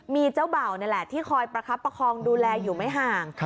มีเจ้าบ่าวนี่แหละที่คอยประคับประคองดูแลอยู่ไม่ห่าง